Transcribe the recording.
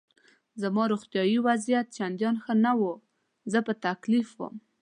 زما روغتیایي وضعیت چندان ښه نه و، زه په تکلیف وم.